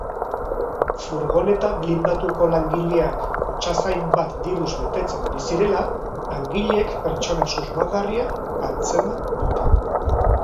Furgoneta blindatuko langileak kutxazain bat diruz betetzen ari zirela, langileek pertsona susmagarria antzeman dute.